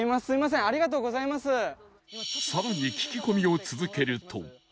更に聞き込みを続けると